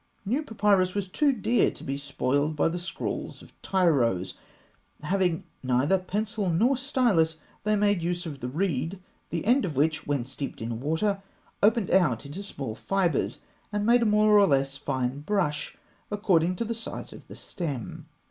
New papyrus was too dear to be spoiled by the scrawls of tyros. Having neither pencil nor stylus, they made use of the reed, the end of which, when steeped in water, opened out into small fibres, and made a more or less fine brush according to the size of the stem.